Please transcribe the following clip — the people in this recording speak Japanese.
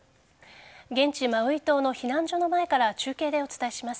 現地・マウイ島の避難所の前から中継でお伝えします。